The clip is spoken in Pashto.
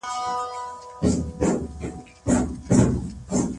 هغه به د مظلومانو ملاتړ وکړي.